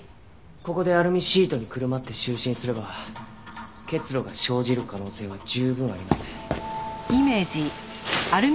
ここでアルミシートにくるまって就寝すれば結露が生じる可能性は十分ありますね。